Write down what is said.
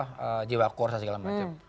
sebuah jiwa kursa segala macam